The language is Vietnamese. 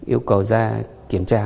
yêu cầu ra kiểm tra